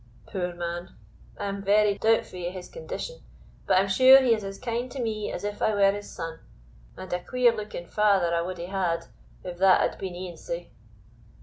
Poor man, I am very doubtfu' o' his condition; but I am sure he is as kind to me as if I were his son, and a queer looking father I wad hae had, if that had been e'en sae."